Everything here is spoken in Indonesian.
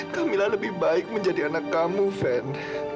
kamila lebih baik menjadi anak kamu van